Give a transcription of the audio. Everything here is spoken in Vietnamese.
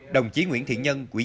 đồng chí nguyễn thị nhân quý vị